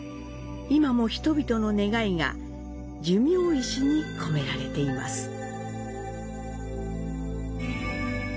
今も人々の願いが寿命石に込められています。